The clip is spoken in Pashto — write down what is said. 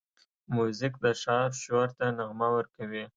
موزیک د ښار شور ته نغمه ورکوي.